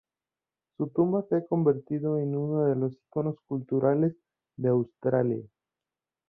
Su tumba se ha convertido en uno de los iconos culturales de Australia.